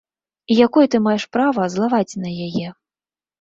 І якое ты маеш права злаваць на яе?